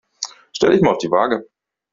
Stell dich mal auf die Waage.